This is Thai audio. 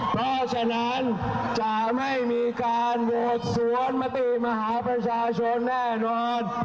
เพราะฉะนั้นจะไม่มีการโหวตสวนมติมหาประชาชนแน่นอน